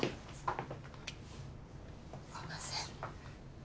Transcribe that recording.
すいません。